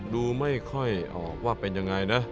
ดูไม่ค่อยออกว่าเป็นอย่างไร